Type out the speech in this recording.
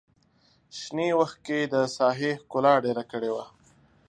شنې وښکې د ساحې ښکلا ډېره کړې وه.